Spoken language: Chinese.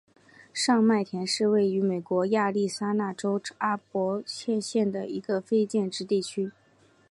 上麦田是位于美国亚利桑那州阿帕契县的一个非建制地区。